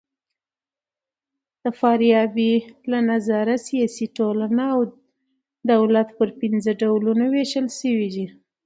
د فارابۍ له نظره سیاسي ټولنه او دولت پر پنځه ډولونو وېشل سوي دي.